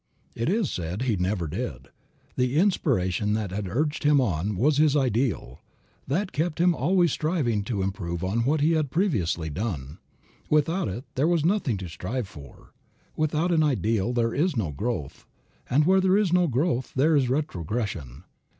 It is said he never did. The inspiration that had urged him on was his ideal. That kept him always striving to improve on what he had previously done. Without it there was nothing to strive for. Without an ideal there is no growth; and where there is no growth there is retrogression.